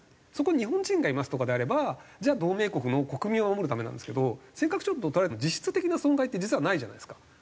そこに日本人がいますとかであればじゃあ同盟国の国民を守るためなんですけど尖閣諸島を取られても実質的な損害って実はないじゃないですか。